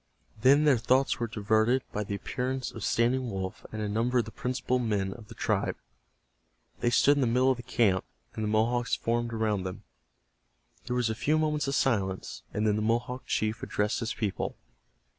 Then their thoughts were diverted by the appearance of Standing Wolf and a number of the principal men of the tribe. They stood in the middle of the camp, and the Mohawks formed around them. There was a few moments of silence, and then the Mohawk chief addressed his people.